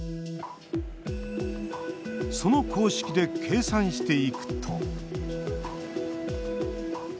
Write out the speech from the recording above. その公式で計算していくと。